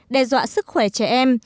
đe dọa sức khỏe trẻ em